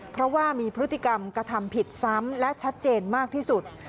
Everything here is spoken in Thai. เพราะว่ามีพฤติกรรมกระทำผิดซ้ำและชัดเจนมากที่สุด